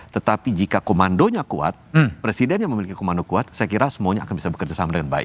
tetapi jika komandonya kuat presiden yang memiliki komando kuat saya kira semuanya akan bisa bekerja sama dengan baik